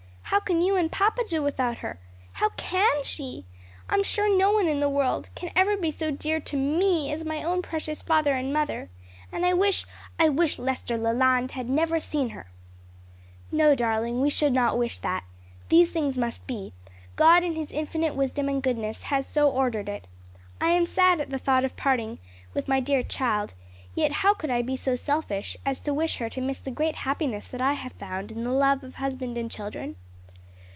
How can you and papa do without her? How can she? I'm sure no one in the world can ever be so dear to me as my own precious father and mother. And I wish I wish Lester Leland had never seen her." "No, darling, we should not wish that. These things must be; God in his infinite wisdom and goodness has so ordered it. I am sad at the thought of parting with my dear child, yet how could I be so selfish as to wish her to miss the great happiness that I have found in the love of husband and children?"